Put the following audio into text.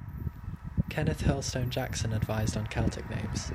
Kenneth Hurlstone Jackson advised on Celtic names.